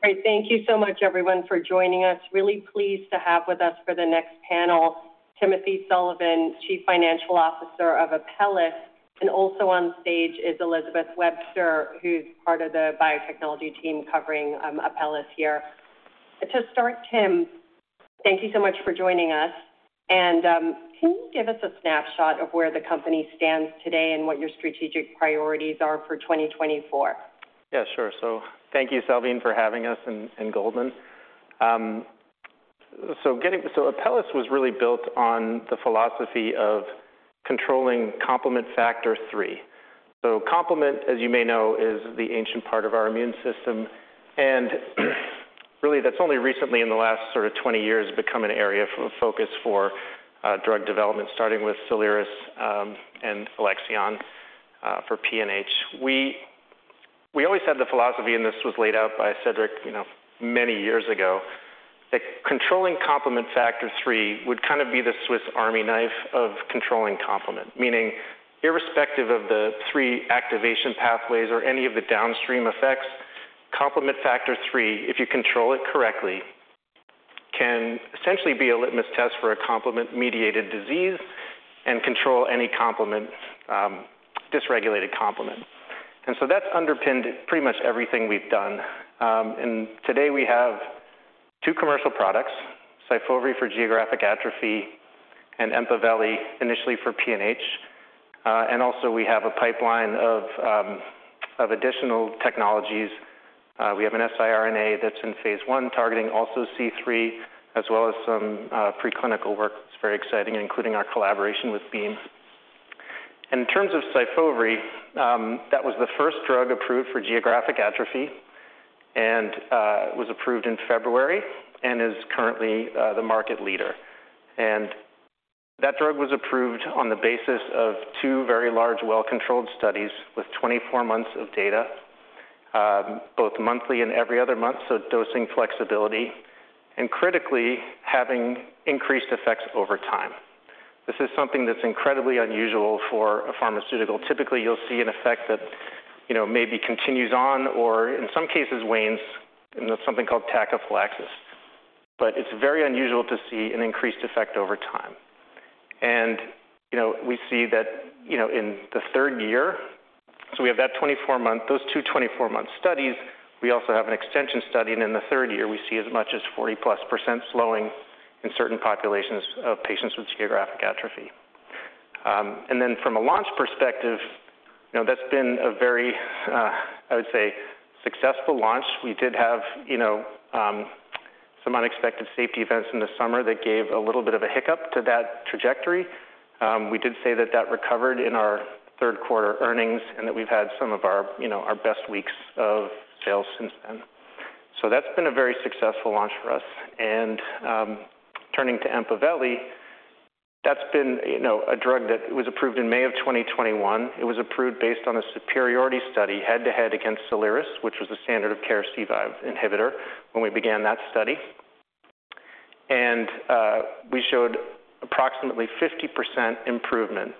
Great. Thank you so much, everyone, for joining us. Really pleased to have with us for the next panel, Timothy Sullivan, Chief Financial Officer of Apellis, and also on stage is Elizabeth Webster, who's part of the biotechnology team covering Apellis here. To start, Tim, thank you so much for joining us, and can you give us a snapshot of where the company stands today and what your strategic priorities are for 2024? Yeah, sure. So thank you, Salveen, for having us, and Goldman. So Apellis was really built on the philosophy of controlling complement Factor 3. So complement, as you may know, is the ancient part of our immune system, and really, that's only recently, in the last sort of 20 years, become an area of focus for drug development, starting with Soliris and Alexion for PNH. We always had the philosophy, and this was laid out by Cedric, you know, many years ago, that controlling complement Factor 3 would kind of be the Swiss Army knife of controlling complement, meaning irrespective of the three activation pathways or any of the downstream effects, complement Factor3, if you control it correctly, can essentially be a litmus test for a complement-mediated disease and control any complement dysregulated complement. And so that's underpinned pretty much everything we've done. And today we have two commercial products, SYFOVRE for geographic atrophy and EMPAVELI, initially for PNH, and also we have a pipeline of additional technologies. We have an siRNA that's in phase I, targeting also C3, as well as some preclinical work that's very exciting, including our collaboration with Beam. In terms of SYFOVRE, that was the first drug approved for geographic atrophy and was approved in February and is currently the market leader. And that drug was approved on the basis of two very large, well-controlled studies with 24 months of data, both monthly and every other month, so dosing flexibility, and critically, having increased effects over time. This is something that's incredibly unusual for a pharmaceutical. Typically, you'll see an effect that, you know, maybe continues on or, in some cases, wanes in something called tachyphylaxis, but it's very unusual to see an increased effect over time. You know, we see that, you know, in the third year, so we have those two 24-month studies. We also have an extension study, and in the third year, we see as much as +40% slowing in certain populations of patients with geographic atrophy. And then from a launch perspective, you know, that's been a very, I would say, successful launch. We did have, you know, some unexpected safety events in the summer that gave a little bit of a hiccup to that trajectory. We did say that that recovered in our third quarter earnings, and that we've had some of our, you know, our best weeks of sales since then. So that's been a very successful launch for us. And, turning to EMPAVELI, that's been, you know, a drug that was approved in May of 2021. It was approved based on a superiority study, head-to-head against Soliris, which was the standard of care C5 inhibitor when we began that study. And, we showed approximately 50% improvement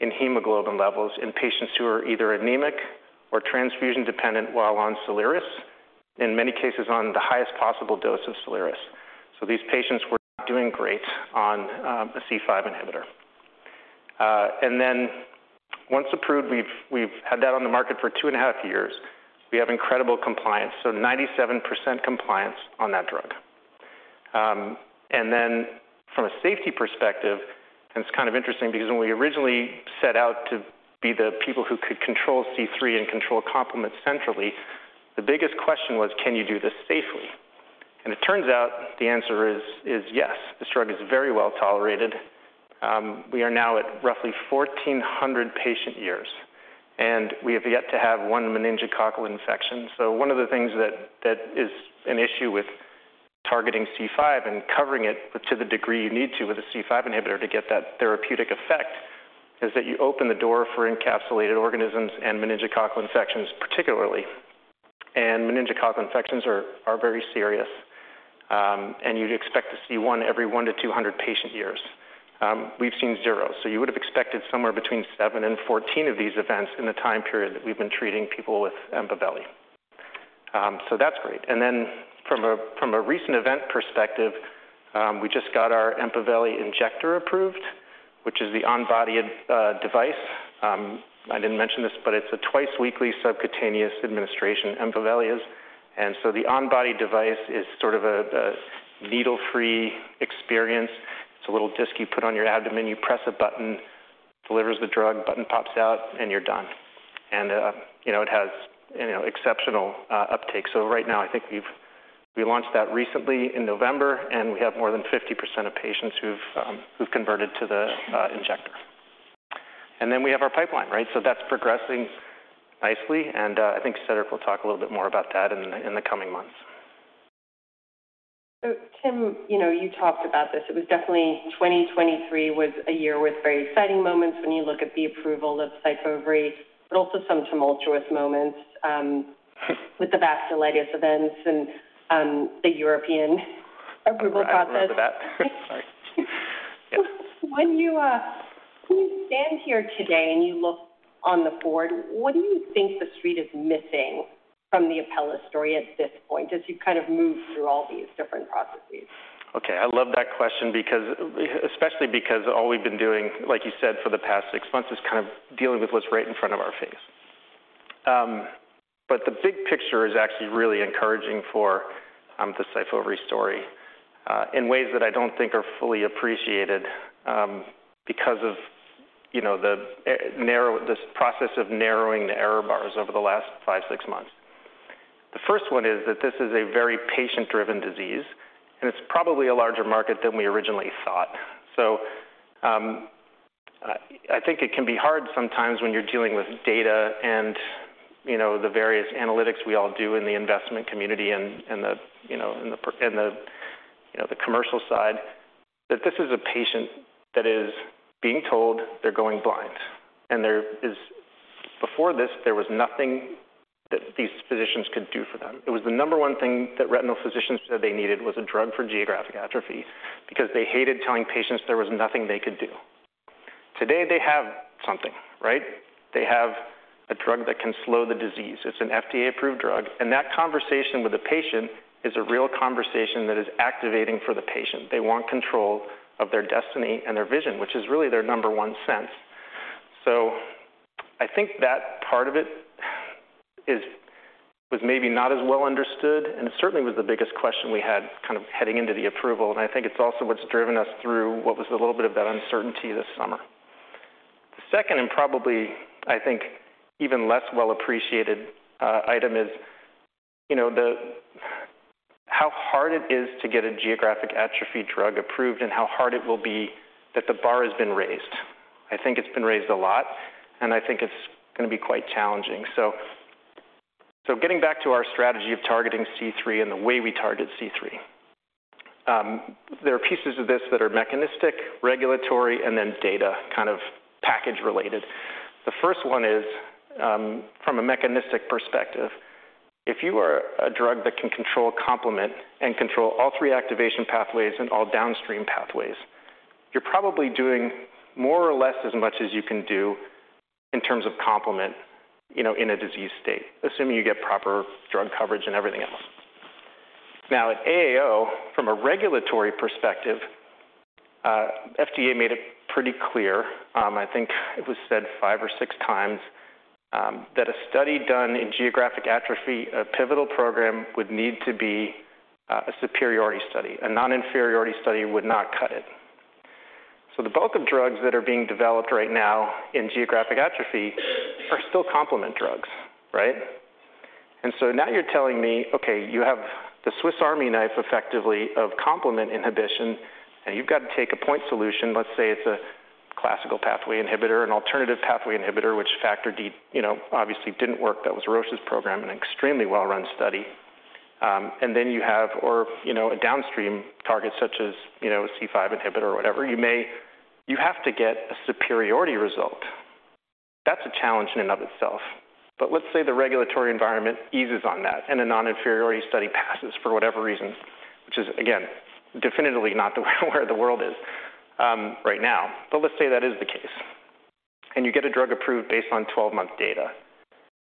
in hemoglobin levels in patients who are either anemic or transfusion-dependent while on Soliris, in many cases, on the highest possible dose of Soliris. So these patients were not doing great on, a C5 inhibitor. And then once approved, we've, we've had that on the market for two and a half years. We have incredible compliance, so 97% compliance on that drug. And then from a safety perspective, and it's kind of interesting because when we originally set out to be the people who could control C3 and control complement centrally, the biggest question was, "Can you do this safely?" And it turns out the answer is yes. This drug is very well tolerated. We are now at roughly 1,400 patient years, and we have yet to have one meningococcal infection. So one of the things that is an issue with targeting C5 and covering it to the degree you need to with a C5 inhibitor to get that therapeutic effect is that you open the door for encapsulated organisms and meningococcal infections, particularly. And meningococcal infections are very serious, and you'd expect to see one every 100-200 patient years. We've seen zero, so you would have expected somewhere between 7 and 14 of these events in the time period that we've been treating people with EMPAVELI. So that's great. And then from a recent event perspective, we just got our EMPAVELI Injector approved, which is the on-body device. I didn't mention this, but it's a twice-weekly subcutaneous administration, EMPAVELI is. And so the on-body device is sort of a needle-free experience. It's a little disc you put on your abdomen, you press a button, delivers the drug, button pops out, and you're done. And you know, it has you know, exceptional uptake. So right now, I think we launched that recently in November, and we have more than 50% of patients who've converted to the injector. And then we have our pipeline, right? So that's progressing nicely, and I think Cedric will talk a little bit more about that in the coming months. So Tim, you know, you talked about this. It was definitely 2023 was a year with very exciting moments when you look at the approval of SYFOVRE, but also some tumultuous moments, with the vasculitis events and the European approval process. I remember that. Sorry. When you stand here today and you look on the board, what do you think the street is missing from the Apellis story at this point, as you kind of move through all these different processes? Okay, I love that question because, especially because all we've been doing, like you said, for the past six months, is kind of dealing with what's right in front of our face. But the big picture is actually really encouraging for the SYFOVRE story in ways that I don't think are fully appreciated because of, you know, this process of narrowing the error bars over the last five, six months. The first one is that this is a very patient-driven disease, and it's probably a larger market than we originally thought. So, I think it can be hard sometimes when you're dealing with data and, you know, the various analytics we all do in the investment community and the commercial side, that this is a patient that is being told they're going blind, and there is. Before this, there was nothing that these physicians could do for them. It was the number one thing that retinal physicians said they needed, was a drug for geographic atrophy, because they hated telling patients there was nothing they could do. Today, they have something, right? They have a drug that can slow the disease. It's an FDA-approved drug, and that conversation with the patient is a real conversation that is activating for the patient. They want control of their destiny and their vision, which is really their number one sense. So I think that part of it is, was maybe not as well understood, and it certainly was the biggest question we had kind of heading into the approval, and I think it's also what's driven us through what was a little bit of that uncertainty this summer. The second, and probably, I think, even less well-appreciated item is, you know, how hard it is to get a geographic atrophy drug approved and how hard it will be that the bar has been raised. I think it's been raised a lot, and I think it's gonna be quite challenging. So getting back to our strategy of targeting C3 and the way we target C3. There are pieces of this that are mechanistic, regulatory, and then data, kind of package related. The first one is, from a mechanistic perspective, if you are a drug that can control complement and control all three activation pathways and all downstream pathways, you're probably doing more or less as much as you can do in terms of complement, you know, in a disease state, assuming you get proper drug coverage and everything else. Now, at AAO, from a regulatory perspective, FDA made it pretty clear, I think it was said five or six times, that a study done in geographic atrophy, a pivotal program, would need to be, a superiority study. A non-inferiority study would not cut it. So the bulk of drugs that are being developed right now in geographic atrophy are still complement drugs, right? And so now you're telling me, okay, you have the Swiss Army knife effectively of complement inhibition, and you've got to take a point solution. Let's say it's a classical pathway inhibitor, an alternative pathway inhibitor, which Factor D, you know, obviously didn't work. That was Roche's program, an extremely well-run study. And then you have. Or, you know, a downstream target, such as, you know, C5 inhibitor or whatever. You may. You have to get a superiority result. That's a challenge in and of itself. But let's say the regulatory environment eases on that, and a non-inferiority study passes for whatever reason, which is, again, definitively not the way where the world is, right now. But let's say that is the case, and you get a drug approved based on 12-month data.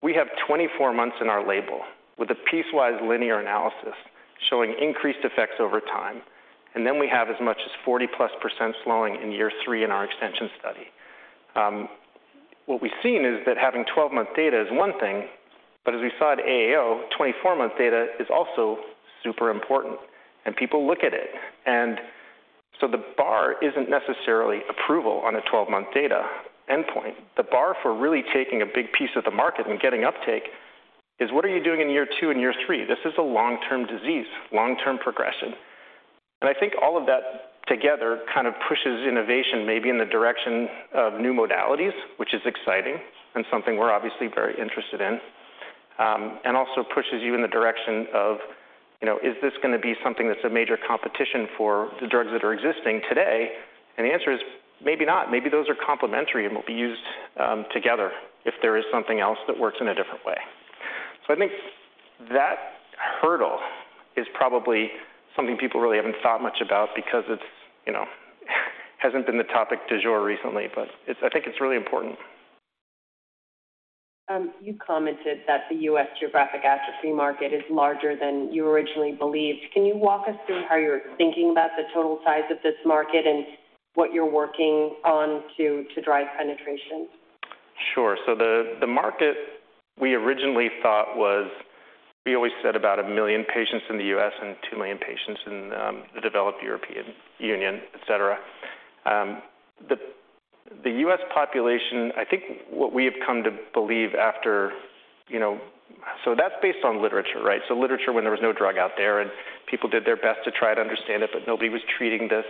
We have 24 months in our label with a piecewise linear analysis showing increased effects over time, and then we have as much as 40+% slowing in year 3 in our extension study. What we've seen is that having 12-month data is one thing, but as we saw at AAO, 24-month data is also super important, and people look at it. And so the bar isn't necessarily approval on a 12-month data endpoint. The bar for really taking a big piece of the market and getting uptake is, what are you doing in year 2 and year 3? This is a long-term disease, long-term progression. I think all of that together kind of pushes innovation maybe in the direction of new modalities, which is exciting and something we're obviously very interested in, and also pushes you in the direction of, you know, is this gonna be something that's a major competition for the drugs that are existing today? And the answer is maybe not. Maybe those are complementary and will be used, together if there is something else that works in a different way. So I think that hurdle is probably something people really haven't thought much about because it's, you know, hasn't been the topic du jour recently, but I think it's really important. You commented that the U.S. Geographic Atrophy market is larger than you originally believed. Can you walk us through how you're thinking about the total size of this market and what you're working on to drive penetration? Sure. So the market we originally thought was, we always said about 1 million patients in the U.S. and 2 million patients in the developed European Union, etcetera. The U.S. population, I think what we have come to believe after you know. So that's based on literature, right? So literature when there was no drug out there, and people did their best to try to understand it, but nobody was treating this.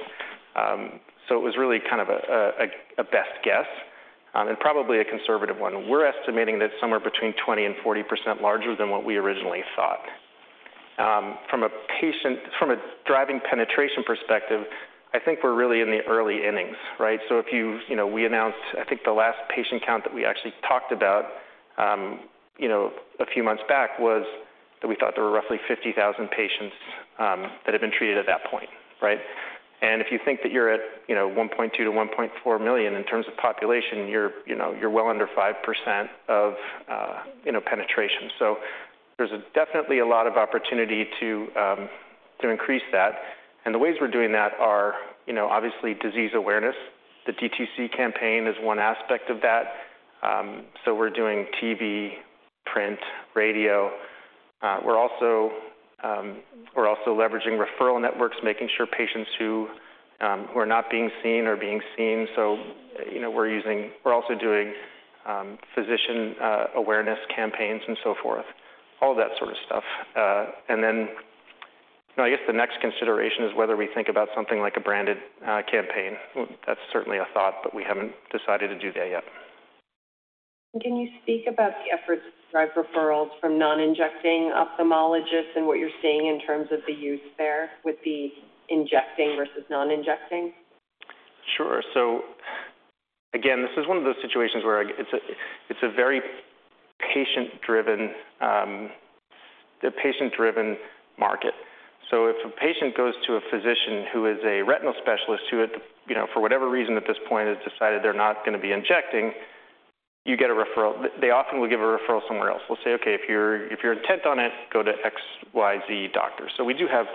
So it was really kind of a best guess, and probably a conservative one. We're estimating that it's somewhere between 20% and 40% larger than what we originally thought. From a driving penetration perspective, I think we're really in the early innings, right? So if you've you know, we announced, I think the last patient count that we actually talked about, you know, a few months back, was that we thought there were roughly 50,000 patients that had been treated at that point, right? And if you think that you're at, you know, 1.2-1.4 million in terms of population, you're, you know, you're well under 5% of, you know, penetration. So there's definitely a lot of opportunity to increase that. And the ways we're doing that are, you know, obviously disease awareness. The DTC campaign is one aspect of that. So we're doing TV, print, radio. We're also leveraging referral networks, making sure patients who are not being seen are being seen. So, you know, we're also doing physician awareness campaigns and so forth, all that sort of stuff. And then, I guess the next consideration is whether we think about something like a branded campaign. That's certainly a thought, but we haven't decided to do that yet. Can you speak about the efforts to drive referrals from non-injecting ophthalmologists and what you're seeing in terms of the use there with the injecting versus non-injecting? Sure. So again, this is one of those situations where it's a very patient-driven market. So if a patient goes to a physician who is a retinal specialist, who, you know, for whatever reason at this point, has decided they're not gonna be injecting, you get a referral. They often will give a referral somewhere else. They'll say, "Okay, if you're intent on it, go to XYZ doctor." So we do have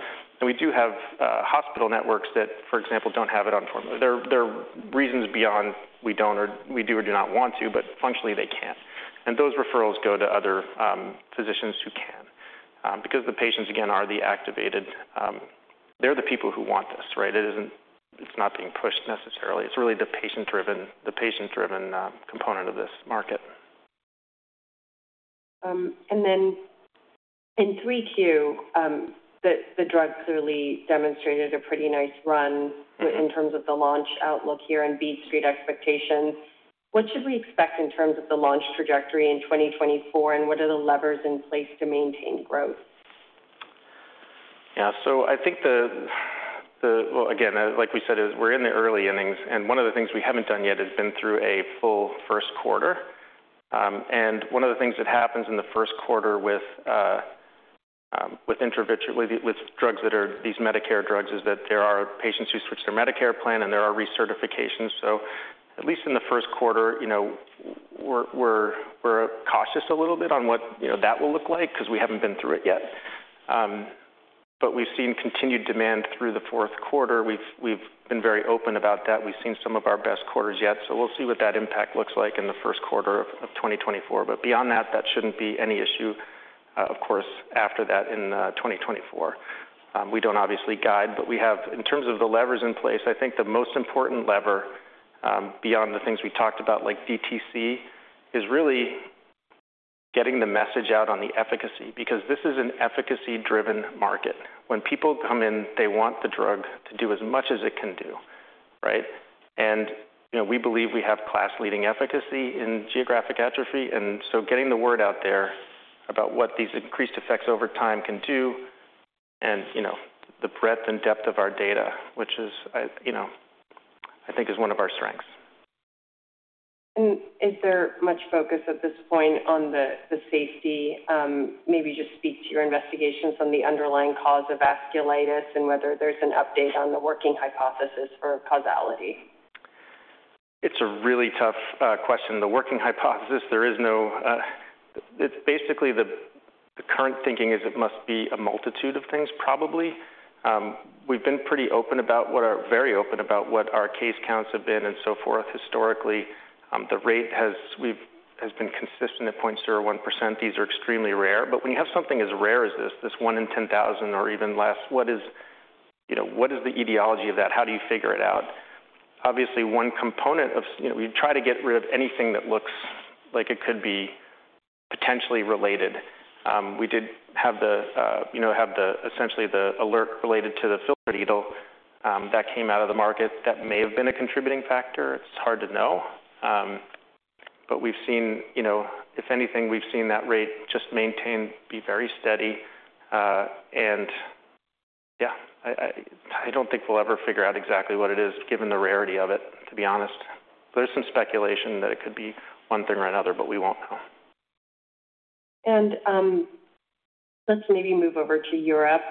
hospital networks that, for example, don't have it on formulary. There are reasons beyond we don't or we do or do not want to, but functionally, they can't. And those referrals go to other physicians who can, because the patients, again, are the activated. They're the people who want this, right? It isn't it's not being pushed necessarily. It's really the patient-driven component of this market. And then in Q3, the drug clearly demonstrated a pretty nice run in terms of the launch outlook here and beat street expectations. What should we expect in terms of the launch trajectory in 2024, and what are the levers in place to maintain growth? Yeah, so I think the. Well, again, like we said, is we're in the early innings, and one of the things we haven't done yet has been through a full first quarter. And one of the things that happens in the first quarter with intravitreal drugs that are these Medicare drugs is that there are patients who switch their Medicare plan and there are recertifications. So at least in the first quarter, you know, we're cautious a little bit on what that will look like, because we haven't been through it yet. But we've seen continued demand through the fourth quarter. We've been very open about that. We've seen some of our best quarters yet, so we'll see what that impact looks like in the first quarter of 2024. But beyond that, that shouldn't be any issue, of course, after that in 2024. We don't obviously guide, but we have in terms of the levers in place, I think the most important lever, beyond the things we talked about, like DTC, is really getting the message out on the efficacy, because this is an efficacy-driven market. When people come in, they want the drug to do as much as it can do, right? And, you know, we believe we have class-leading efficacy in geographic atrophy, and so getting the word out there about what these increased effects over time can do and, you know, the breadth and depth of our data, which is, you know, I think is one of our strengths. Is there much focus at this point on the safety? Maybe just speak to your investigations on the underlying cause of vasculitis and whether there's an update on the working hypothesis for causality. It's a really tough question. The working hypothesis, there is no. It's basically the current thinking is it must be a multitude of things, probably. We've been very open about what our case counts have been and so forth historically. The rate has been consistent at 0.01%. These are extremely rare, but when you have something as rare as this, this 1 in 10,000 or even less, what is, you know, what is the etiology of that? How do you figure it out? Obviously, one component of, you know, we try to get rid of anything that looks like it could be potentially related. We did have the, you know, essentially, the alert related to the filter needle that came out of the market. That may have been a contributing factor. It's hard to know. We've seen, you know, if anything, we've seen that rate just maintain, be very steady. Yeah, I don't think we'll ever figure out exactly what it is, given the rarity of it, to be honest. There's some speculation that it could be one thing or another, but we won't know. Let's maybe move over to Europe.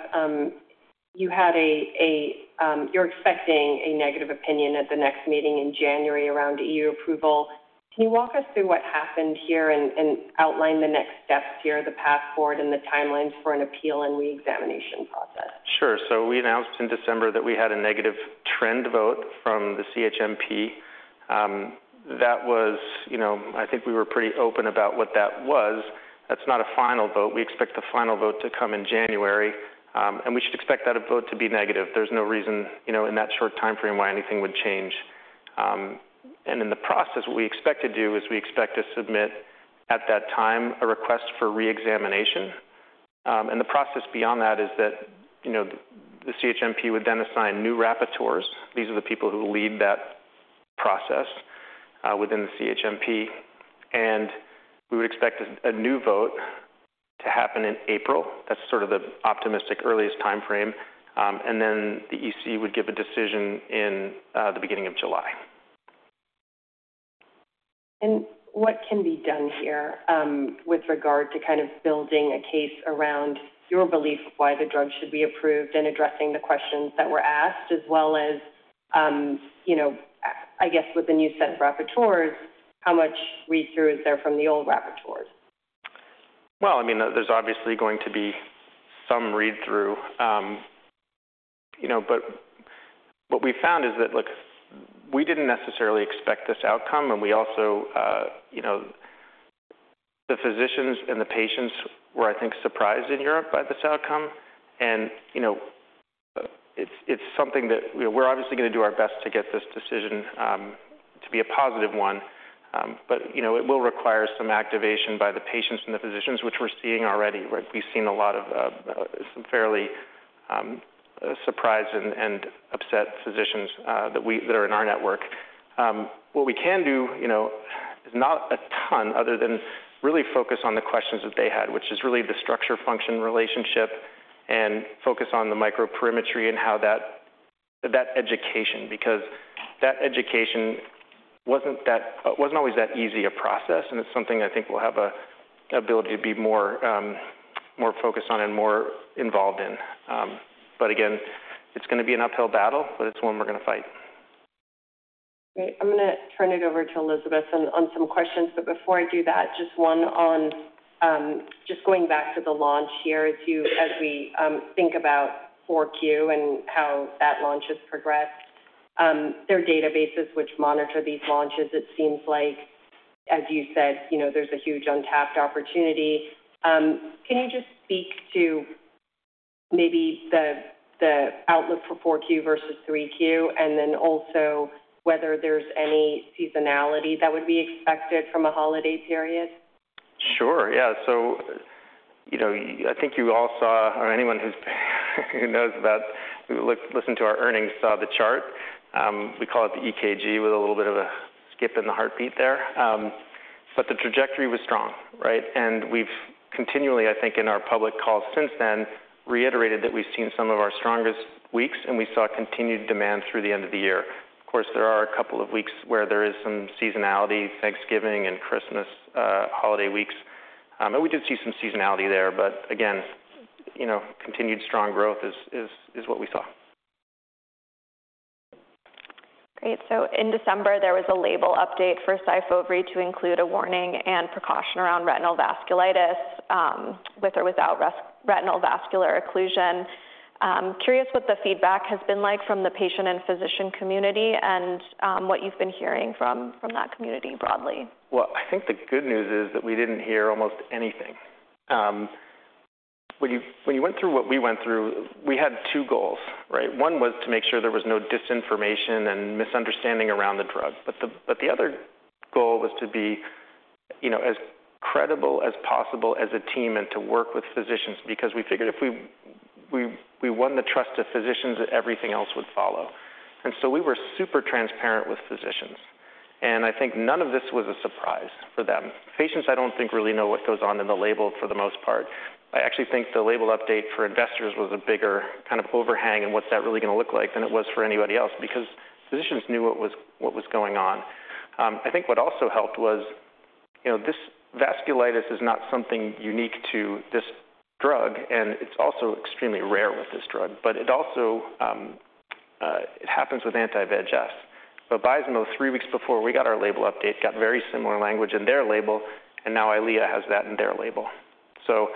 You're expecting a negative opinion at the next meeting in January around EU approval. Can you walk us through what happened here and outline the next steps here, the path forward and the timelines for an appeal and reexamination process? Sure. So we announced in December that we had a negative trend vote from the CHMP. That was, you know, I think we were pretty open about what that was. That's not a final vote. We expect the final vote to come in January, and we should expect that vote to be negative. There's no reason, you know, in that short timeframe, why anything would change. And in the process, what we expect to do is we expect to submit, at that time, a request for reexamination. And the process beyond that is that, you know, the CHMP would then assign new rapporteurs. These are the people who lead that process within the CHMP, and we would expect a new vote to happen in April. That's sort of the optimistic earliest timeframe. The EC would give a decision in the beginning of July. What can be done here, with regard to kind of building a case around your belief why the drug should be approved and addressing the questions that were asked, as well as, you know, I guess, with the new set of rapporteurs, how much read-through is there from the old rapporteurs? Well, I mean, there's obviously going to be some read-through. You know, but what we found is that, look, we didn't necessarily expect this outcome, and we also, you know, the physicians and the patients were, I think, surprised in Europe by this outcome. And, you know, it's, it's something that we're obviously going to do our best to get this decision to be a positive one. But, you know, it will require some activation by the patients and the physicians, which we're seeing already, right? We've seen a lot of some fairly surprised and upset physicians that are in our network. What we can do, you know, is not a ton other than really focus on the questions that they had, which is really the structure-function relationship, and focus on the microperimetry and how that education, because that education wasn't always that easy a process, and it's something I think we'll have a ability to be more focused on and more involved in. But again, it's gonna be an uphill battle, but it's one we're gonna fight. Great. I'm gonna turn it over to Elizabeth on some questions, but before I do that, just one on just going back to the launch here, as we think about 4Q and how that launch has progressed. There are databases which monitor these launches. It seems like, as you said, you know, there's a huge untapped opportunity. Can you just speak to maybe the outlook for 4Q versus 3Q, and then also whether there's any seasonality that would be expected from a holiday period? Sure. Yeah. So, you know, I think you all saw, or anyone who knows about, listened to our earnings, saw the chart. We call it the EKG, with a little bit of a skip in the heartbeat there. But the trajectory was strong, right? And we've continually, I think, in our public calls since then, reiterated that we've seen some of our strongest weeks, and we saw continued demand through the end of the year. Of course, there are a couple of weeks where there is some seasonality, Thanksgiving and Christmas, holiday weeks. And we did see some seasonality there, but again, you know, continued strong growth is what we saw. Great. So in December, there was a label update for SYFOVRE to include a warning and precaution around retinal vasculitis, with or without retinal vascular occlusion. Curious what the feedback has been like from the patient and physician community and, what you've been hearing from that community broadly? Well, I think the good news is that we didn't hear almost anything. When you went through what we went through, we had two goals, right? One was to make sure there was no disinformation and misunderstanding around the drug, but the other goal was to be, you know, as credible as possible as a team and to work with physicians because we figured if we won the trust of physicians, that everything else would follow. And so we were super transparent with physicians, and I think none of this was a surprise for them. Patients, I don't think, really know what goes on in the label for the most part. I actually think the label update for investors was a bigger kind of overhang and what's that really gonna look like than it was for anybody else, because physicians knew what was going on. I think what also helped was, you know, this vasculitis is not something unique to this drug, and it's also extremely rare with this drug, but it also it happens with anti-VEGF. So Vabysmo, three weeks before we got our label update, got very similar language in their label, and now Eylea has that in their label. So,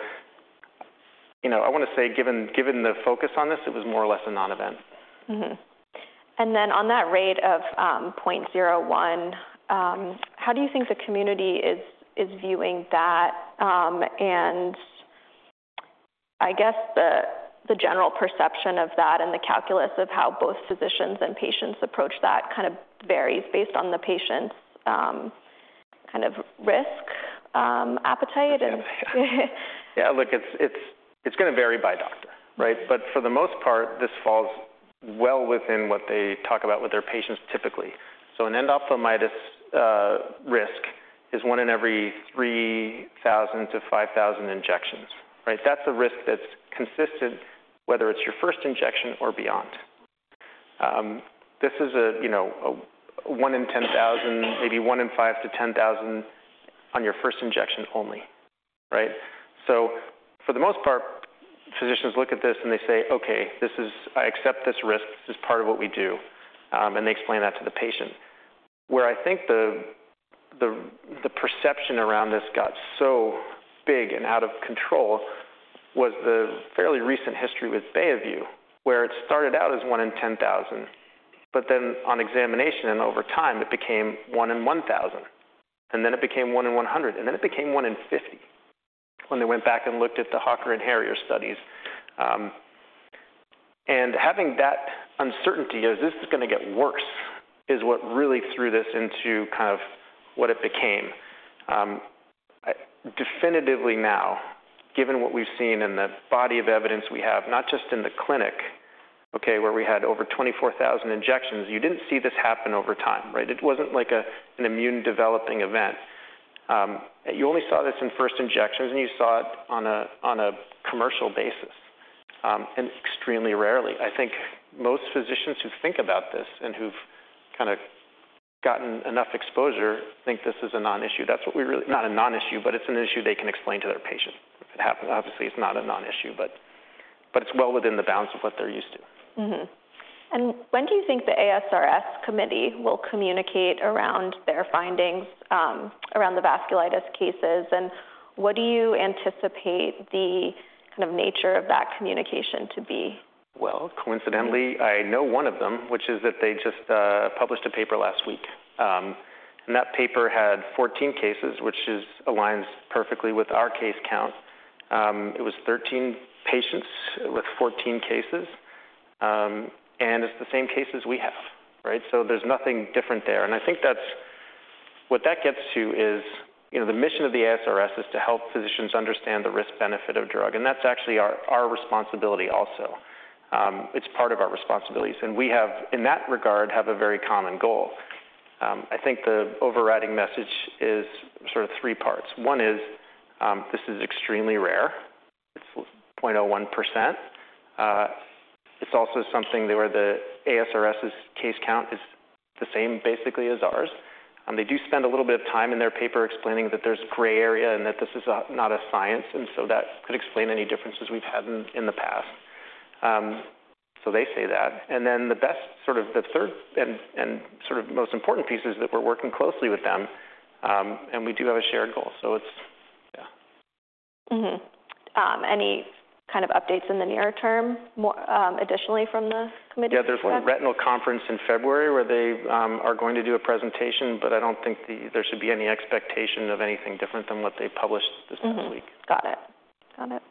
you know, I want to say, given the focus on this, it was more or less a non-event. And then, on that rate of 0.01, how do you think the community is viewing that? And I guess the general perception of that and the calculus of how both physicians and patients approach that kind of varies based on the patient's kind of risk appetite. Yeah, look, it's gonna vary by doctor, right? But for the most part, this falls well within what they talk about with their patients typically. So an endophthalmitis risk is one in every 3,000-5,000 injections, right? That's a risk that's consistent, whether it's your first injection or beyond. This is, you know, a 1 in 10,000, maybe 1 in 5,000-10,000 on your first injection only, right? So for the most part, physicians look at this, and they say, "Okay, this is, I accept this risk. This is part of what we do." And they explain that to the patient. Where I think the perception around this got so big and out of control was the fairly recent history with Beovu, where it started out as 1 in 10,000, but then on examination and over time, it became 1 in 1,000, and then it became 1 in 100, and then it became 1 in 50 when they went back and looked at the HAWK and HARRIER studies. Having that uncertainty as this is gonna get worse is what really threw this into kind of what it became. Definitively now, given what we've seen and the body of evidence we have, not just in the clinic, okay, where we had over 24,000 injections, you didn't see this happen over time, right? It wasn't like an immune-developing event. You only saw this in first injections, and you saw it on a commercial basis, and extremely rarely. I think most physicians who think about this and who've kind of gotten enough exposure think this is a non-issue. That's what we really. Not a non-issue, but it's an issue they can explain to their patient. If it happens, obviously, it's not a non-issue, but it's well within the bounds of what they're used to. And when do you think the ASRS Committee will communicate around their findings around the Vasculitis Cases? And what do you anticipate the kind of nature of that communication to be? Well, coincidentally, I know one of them, which is that they just published a paper last week. And that paper had 14 cases, which aligns perfectly with our case count. It was 13 patients with 14 cases, and it's the same cases we have, right? So there's nothing different there. And I think that's. What that gets to is, you know, the mission of the ASRS is to help physicians understand the risk-benefit of drug, and that's actually our responsibility also. It's part of our responsibilities, and we have, in that regard, a very common goal. I think the overriding message is sort of three parts. One is, this is extremely rare. It's 0.01%. It's also something where the ASRS's case count is the same, basically, as ours. They do spend a little bit of time in their paper explaining that there's gray area and that this is a not a science, and so that could explain any differences we've had in the past. So they say that. And then the best, sort of the third and sort of most important piece is that we're working closely with them, and we do have a shared goal, so it's. Yeah. Any kind of updates in the near term, more, additionally from the committee? Yeah, there's one retinal conference in February where they are going to do a presentation, but I don't think there should be any expectation of anything different than what they published this past week. Got it. Got it.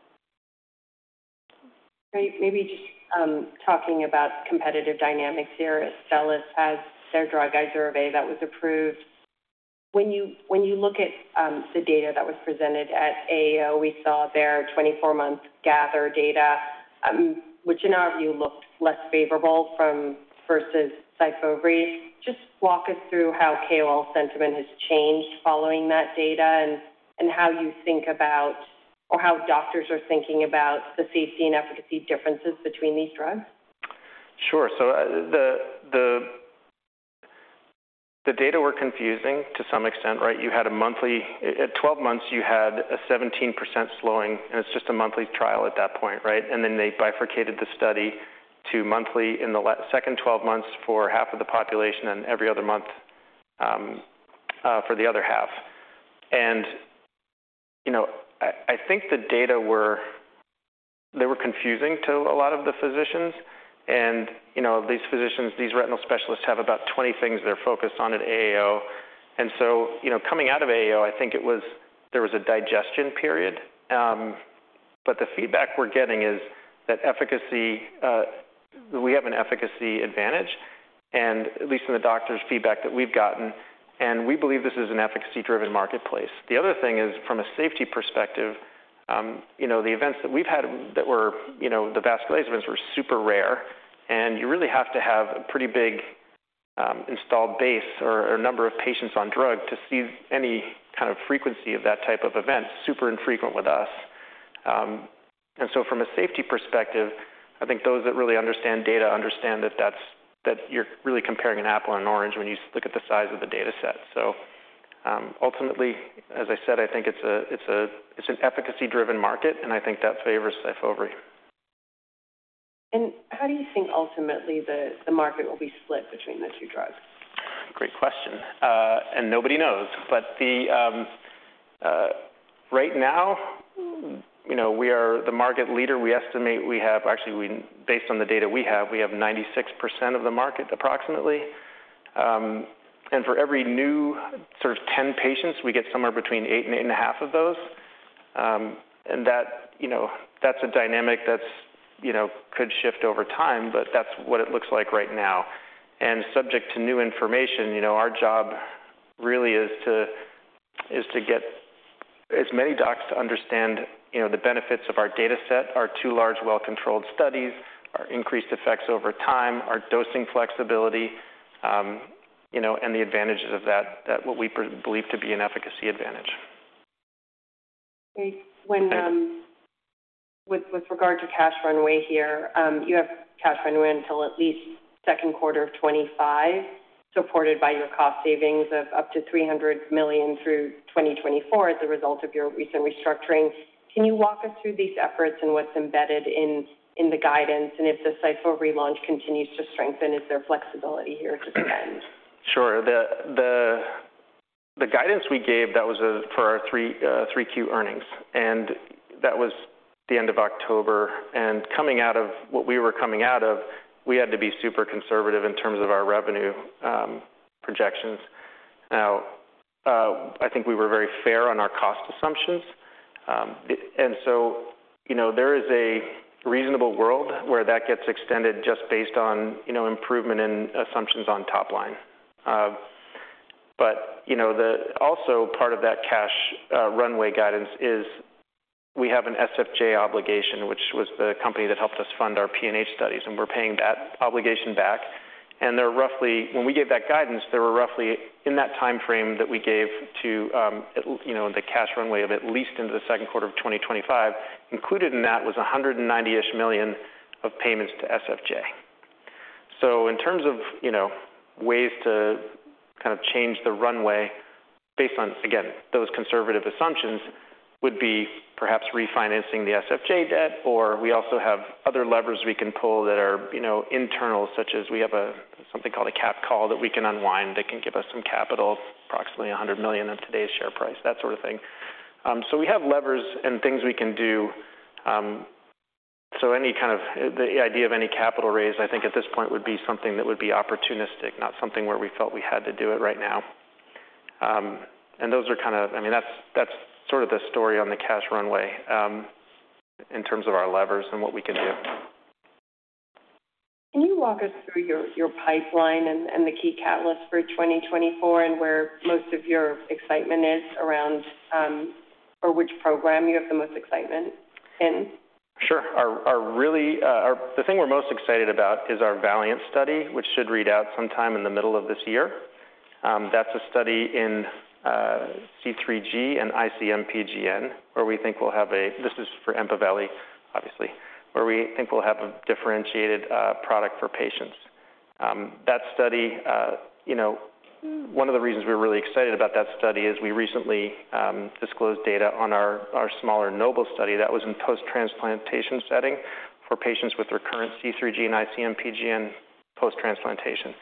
Great. Maybe just talking about competitive dynamics here, Astellas has their Izervay that was approved. When you look at the data that was presented at AAO, we saw their 24-month GATHER data, which in our view, looked less favorable from versus SYFOVRE. Just walk us through how KOL sentiment has changed following that data and how you think about or how doctors are thinking about the safety and efficacy differences between these drugs. Sure. So, the data were confusing to some extent, right? You had a monthly at 12 months, you had a 17% slowing, and it's just a monthly trial at that point, right? And then they bifurcated the study to monthly in the second 12 months for half of the population and every other month for the other half. And, you know, I think the data were they were confusing to a lot of the physicians. And, you know, these physicians, these retinal specialists have about 20 things they're focused on at AAO. And so, you know, coming out of AAO, I think it was there was a digestion period. But the feedback we're getting is that efficacy, we have an efficacy advantage, and at least in the doctors' feedback that we've gotten, and we believe this is an efficacy-driven marketplace. The other thing is, from a safety perspective, you know, the events that we've had that were, you know, the vasculitis events were super rare, and you really have to have a pretty big, installed base or number of patients on drug to see any kind of frequency of that type of event, super infrequent with us. And so from a safety perspective, I think those that really understand data understand that that's that you're really comparing an apple and orange when you look at the size of the data set. So, ultimately, as I said, I think it's a, it's a, it's an efficacy-driven market, and I think that favors SYFOVRE. How do you think ultimately the market will be split between the two drugs? Great question. And nobody knows. But right now, you know, we are the market leader. We estimate we have actually, we, based on the data we have, we have 96% of the market, approximately. And for every new sort of 10 patients, we get somewhere between 8-8.5 of those. And that, you know, that's a dynamic that's, you know, could shift over time, but that's what it looks like right now. And subject to new information, you know, our job really is to get as many docs to understand, you know, the benefits of our data set, our two large, well-controlled studies, our increased effects over time, our dosing flexibility, you know, and the advantages of that, what we believe to be an efficacy advantage. Okay. Thanks. When with regard to cash runway here, you have cash runway until at least second quarter of 2025, supported by your cost savings of up to $300 million through 2024 as a result of your recent restructuring. Can you walk us through these efforts and what's embedded in the guidance? And if the SYFOVRE relaunch continues to strengthen, is there flexibility here to spend? Sure. The guidance we gave, that was for our Q3 earnings, and that was the end of October. And coming out of what we were coming out of, we had to be super conservative in terms of our revenue projections. Now, I think we were very fair on our cost assumptions. And so, you know, there is a reasonable world where that gets extended just based on, you know, improvement in assumptions on top line. Also, part of that cash runway guidance is we have an SFJ obligation, which was the company that helped us fund our PNH studies, and we're paying that obligation back. When we gave that guidance, there were roughly in that time frame that we gave to, you know, the cash runway of at least into the second quarter of 2025. Included in that was $190-ish million of payments to SFJ. So in terms of, you know, ways to kind of change the runway based on, again, those conservative assumptions, would be perhaps refinancing the SFJ debt, or we also have other levers we can pull that are, you know, internal, such as we have something called a cap call that we can unwind, that can give us some capital, approximately $100 million of today's share price, that sort of thing. So we have levers and things we can do. So any kind of, the idea of any capital raise, I think, at this point would be something that would be opportunistic, not something where we felt we had to do it right now. And those are kind of. I mean, that's, that's sort of the story on the cash runway, in terms of our levers and what we can do. Can you walk us through your pipeline and the key catalysts for 2024 and where most of your excitement is around, or which program you have the most excitement in? Sure. The thing we're most excited about is our VALIANT study, which should read out sometime in the middle of this year. That's a study in C3G and IC-MPGN, where we think we'll have a differentiated product for patients. This is for EMPAVELI, obviously. That study, you know, one of the reasons we're really excited about that study is we recently disclosed data on our smaller NOBLE study that was in post-transplantation setting for patients with recurrent C3G and IC-MPGN post-transplantation.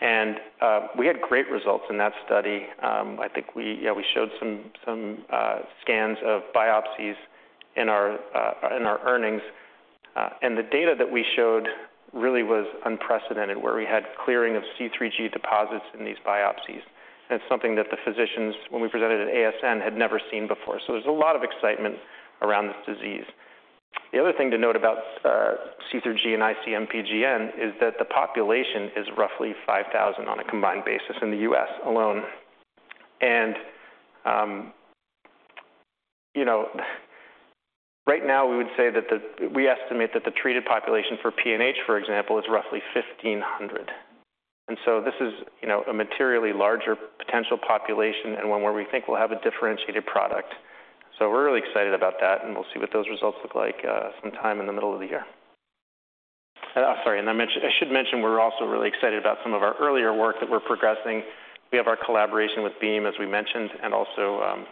And we had great results in that study. I think we, yeah, we showed some scans of biopsies in our earnings, and the data that we showed really was unprecedented, where we had clearing of C3G deposits in these biopsies. It's something that the physicians, when we presented at ASN, had never seen before. So there's a lot of excitement around this disease. The other thing to note about C3G and IC-MPGN is that the population is roughly 5,000 on a combined basis in the U.S. alone. And you know, right now, we would say that We estimate that the treated population for PNH, for example, is roughly 1,500, and so this is, you know, a materially larger potential population and one where we think we'll have a differentiated product. So we're really excited about that, and we'll see what those results look like sometime in the middle of the year. Sorry, and I should mention we're also really excited about some of our earlier work that we're progressing. We have our collaboration with Beam, as we mentioned, and also,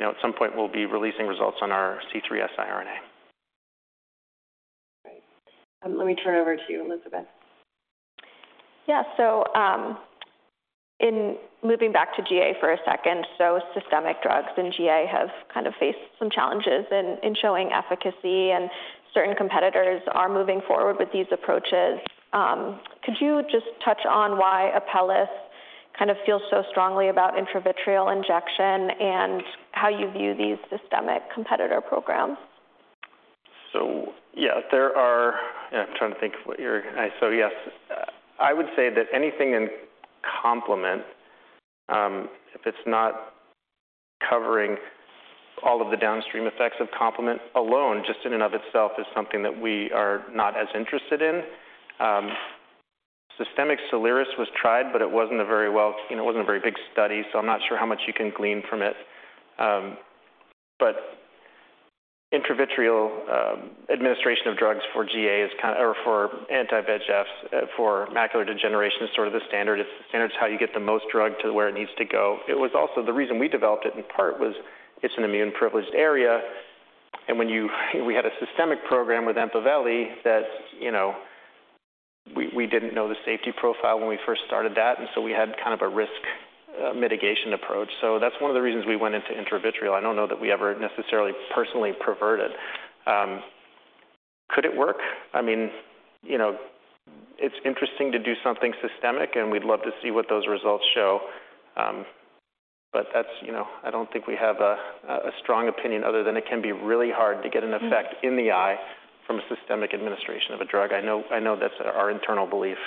you know, at some point we'll be releasing results on our C3 siRNA. Great. Let me turn it over to you, Elizabeth. Yeah. So, in moving back to GA for a second, so systemic drugs in GA have kind of faced some challenges in showing efficacy, and certain competitors are moving forward with these approaches. Could you just touch on why Apellis kind of feels so strongly about intravitreal injection and how you view these systemic competitor programs? So yes, I would say that anything in complement, if it's not covering all of the downstream effects of complement alone, just in and of itself, is something that we are not as interested in. Systemic Soliris was tried, but it wasn't a very well, you know, it wasn't a very big study, so I'm not sure how much you can glean from it. But intravitreal administration of drugs for GA is kind of or for anti-VEGFs, for macular degeneration is sort of the standard. It's the standard is how you get the most drug to where it needs to go. It was also the reason we developed it, in part, was it's an immune-privileged area, and when we had a systemic program with EMPAVELI that, you know, we, we didn't know the safety profile when we first started that, and so we had kind of a risk mitigation approach. So that's one of the reasons we went into intravitreal. I don't know that we ever necessarily personally pivoted. Could it work? I mean, you know, it's interesting to do something systemic, and we'd love to see what those results show. But that's, you know, I don't think we have a strong opinion other than it can be really hard to get an effect in the eye from a systemic administration of a drug. I know, I know that's our internal belief.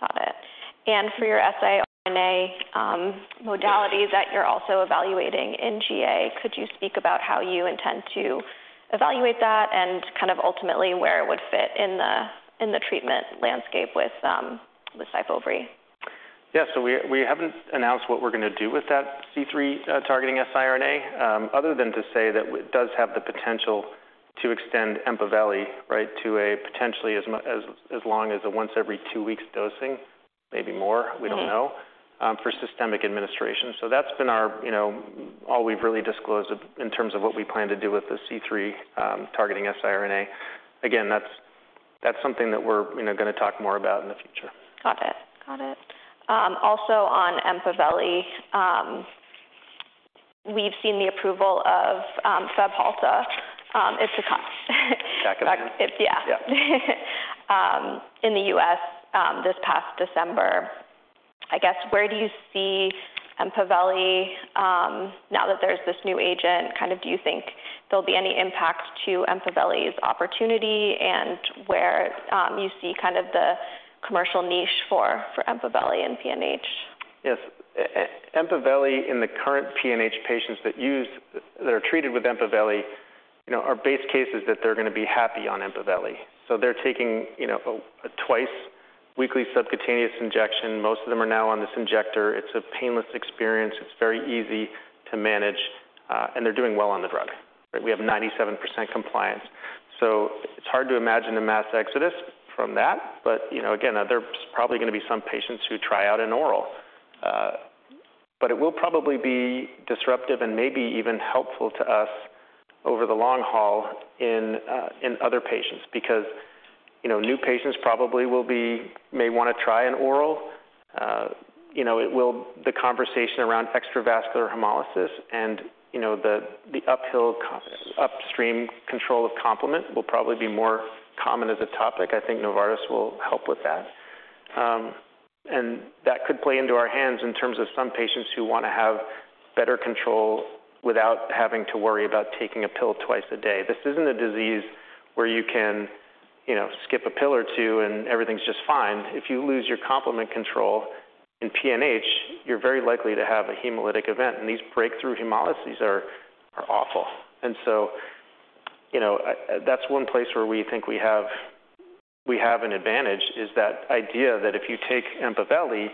Got it. And for your siRNA modality that you're also evaluating in GA, could you speak about how you intend to evaluate that and kind of ultimately where it would fit in the treatment landscape with SYFOVRE? Yeah. So we haven't announced what we're going to do with that C3 targeting siRNA other than to say that it does have the potential to extend EMPAVELI, right, to a potentially as long as a once every two weeks dosing, maybe more, we don't know for systemic administration. So that's been our, you know, all we've really disclosed of, in terms of what we plan to do with the C3 targeting siRNA. Again, that's something that we're, you know, going to talk more about in the future. Got it. Got it. Also on EMPAVELI, we've seen the approval of Fabhalta is to come. Yeah. It, yeah. Yeah. In the U.S., this past December, I guess, where do you see EMPAVELI now that there's this new agent? Kind of, do you think there'll be any impact to EMPAVELI's opportunity, and where you see kind of the commercial niche for EMPAVELI in PNH? Yes, EMPAVELI in the current PNH patients that are treated with EMPAVELI, you know, our base case is that they're gonna be happy on EMPAVELI. So they're taking, you know, a twice weekly subcutaneous injection. Most of them are now on this injector. It's a painless experience. It's very easy to manage, and they're doing well on the drug, right? We have 97% compliance, so it's hard to imagine a mass exodus from that. But, you know, again, there's probably gonna be some patients who try out an oral. But it will probably be disruptive and maybe even helpful to us over the long haul in other patients, because, you know, new patients probably will be may wanna try an oral. You know, the conversation around extravascular hemolysis and, you know, the upstream control of complement will probably be more common as a topic. I think Novartis will help with that. And that could play into our hands in terms of some patients who wanna have better control without having to worry about taking a pill twice a day. This isn't a disease where you can, you know, skip a pill or two, and everything's just fine. If you lose your complement control in PNH, you're very likely to have a hemolytic event, and these breakthrough hemolysis are awful. And so, you know, that's one place where we think we have, we have an advantage, is that idea that if you take EMPAVELI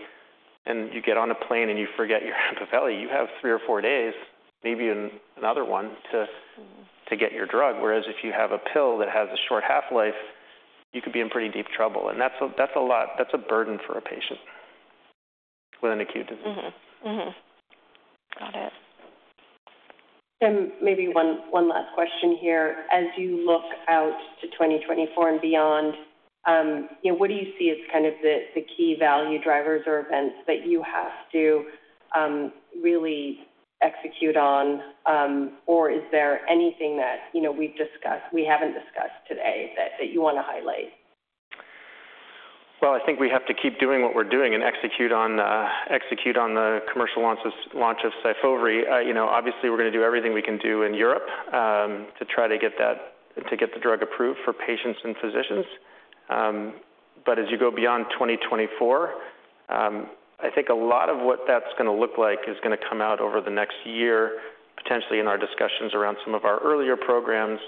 and you get on a plane and you forget your EMPAVELI, you have three or four days, maybe another one, to get your drug, whereas if you have a pill that has a short half-life, you could be in pretty deep trouble. And that's a lot. That's a burden for a patient with an acute disease. Got it. Then maybe one last question here. As you look out to 2024 and beyond, you know, what do you see as kind of the key value drivers or events that you have to really execute on? Or is there anything that, you know, we haven't discussed today that you wanna highlight? Well, I think we have to keep doing what we're doing and execute on the commercial launch of SYFOVRE. You know, obviously, we're gonna do everything we can do in Europe to try to get the drug approved for patients and physicians. But as you go beyond 2024, I think a lot of what that's gonna look like is gonna come out over the next year, potentially in our discussions around some of our earlier programs.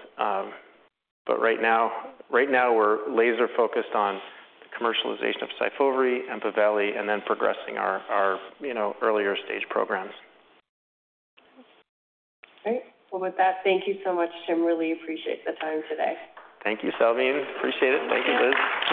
But right now, right now, we're laser focused on the commercialization of SYFOVRE, EMPAVELI, and then progressing our earlier stage programs. Great. Well, with that, thank you so much, Tim. Really appreciate the time today. Thank you, Salveen. Appreciate it. Thank you, Liz.